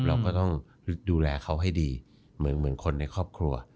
เราก็ต้องดูแลเขาให้ดีเหมือนคนในครอบครัว